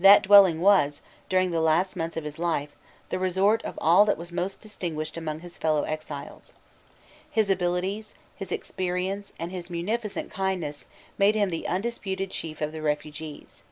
That dwelling was, during the last months of his life, the resort of all that was most distinguished among his fellow exiles. His abilities, his experience and his munificent kindness, made him the undisputed chief of the refugees.